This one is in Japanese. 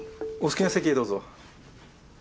お好きな席へどうぞ。